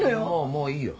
もういいよ。